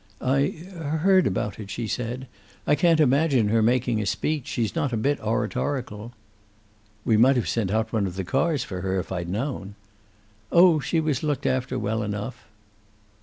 "I heard about it," she said. "I can't imagine her making a speech. She's not a bit oratorical." "We might have sent out one of the cars for her, if I'd known." "Oh, she was looked after well enough."